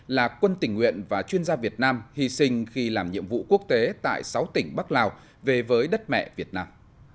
là quân tỉnh nguyện và chuyên gia việt nam hy sinh khi làm nhiệm vụ quốc tế tại sáu tỉnh bắc lào về với đất mẹ việt nam